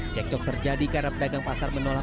cekcok terjadi karena pedagang pasar menolak